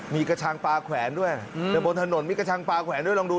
มีกระชังปลาแขวนด้วยแต่บนถนนมีกระชังปลาแขวนด้วยลองดู